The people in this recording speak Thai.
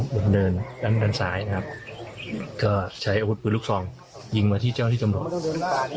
เดินด้านซ้ายนะครับก็ใช้อาวุธปืนลูกซองยิงมาที่เจ้าที่ตำรวจ